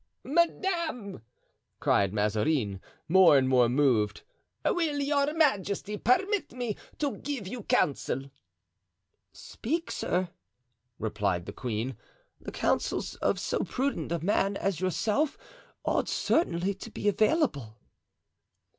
"Madame," cried Mazarin, more and more moved, "will your majesty permit me to give you counsel?" "Speak, sir," replied the queen; "the counsels of so prudent a man as yourself ought certainly to be available."